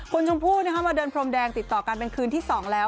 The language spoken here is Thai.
คุณชมพู่มาเดินพรมแดงติดต่อกันเป็นคืนที่๒แล้ว